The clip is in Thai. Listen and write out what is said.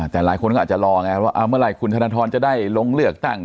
แต่หลายคนก็อาจจะรอไงว่าเมื่อไหร่คุณธนทรจะได้ลงเลือกตั้ง